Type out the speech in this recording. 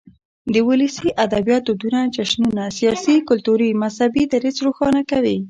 ولسي ادبيات دودنه، جشنونه ،سياسي، کلتوري ،مذهبي ، دريځ روښانه کوي.